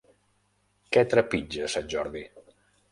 Què trepitja Sant Jordi?